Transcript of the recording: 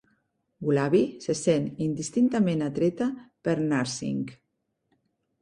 Gulabi se sent instintivament atreta per Narsingh.